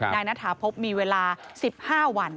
นายณฐาพบร์มีเวลา๑๕วัน